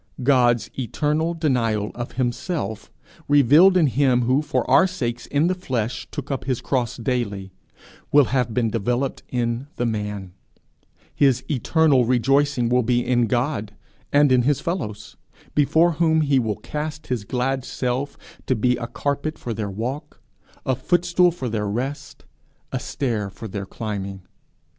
God's eternal denial of himself, revealed in him who for our sakes in the flesh took up his cross daily, will have been developed in the man; his eternal rejoicing will be in God and in his fellows, before whom he will cast his glad self to be a carpet for their walk, a footstool for their rest, a stair for their climbing.